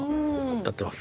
やってます。